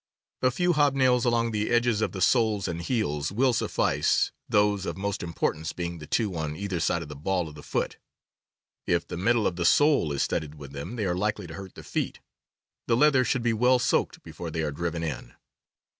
A few hob nails along the edges of the soles and heels will suflfice, those of most importance being the two on either side of the ball of the foot. If the middle of the THE SPORTSMAN'S CLOTHING 17 sole is studded with them they are likely to hurt the feet. The leather should be well soaked before they are driven in.